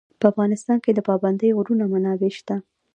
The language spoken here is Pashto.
په افغانستان کې د پابندی غرونه منابع شته.